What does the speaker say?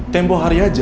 tempoh hari aja